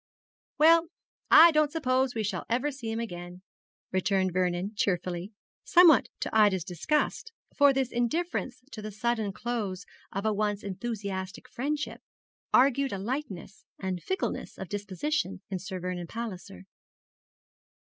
'Well, I don't suppose we shall ever see him again,' returned Vernon, cheerfully, somewhat to Ida's disgust; for this indifference to the sudden close of a once enthusiastic friendship argued a lightness and fickleness of disposition in Sir Vernon Palliser.